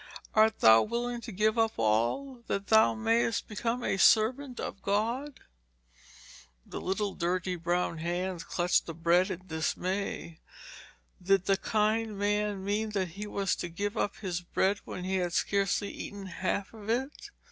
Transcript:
'Art thou willing to give up all, that thou mayest become a servant of God?' The little dirty brown hands clutched the bread in dismay. Did the kind man mean that he was to give up his bread when he had scarcely eaten half of it?